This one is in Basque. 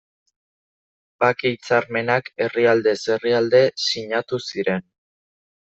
Bake-hitzarmenak herrialdez herrialde sinatu ziren.